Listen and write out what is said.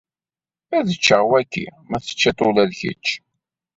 Ad ččeɣ wagi, ma teččiḍ-t ula d kečč.